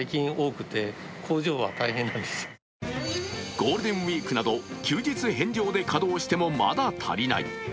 ゴールデンウイークなど休日返上で稼働してもまだ足りない。